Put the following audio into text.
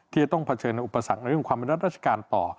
ที่จะต้องเผชิญอุปสรรคในเรื่องของความเป็นรัฐราชการต่อ